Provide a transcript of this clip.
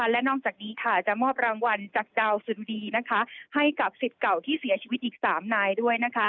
และนอกจากนี้จะมอบรางวัลจากดาวซึมดีให้กับสิทธิ์เก่าที่เสียชีวิตอีก๓นายด้วย